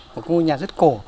một ngôi nhà rất cổ